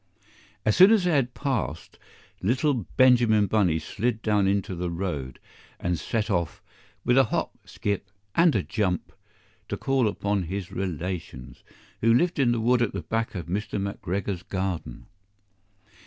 AS soon as they had passed, little Benjamin Bunny slid down into the road, and set off with a hop, skip and a jump to call upon his relations, who lived in the wood at the back of Mr. McGregor's garden.